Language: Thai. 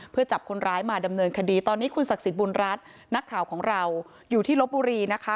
เพื่อจับคนร้ายมาดำเนินคดีตอนนี้คุณศักดิ์สิทธิบุญรัฐนักข่าวของเราอยู่ที่ลบบุรีนะคะ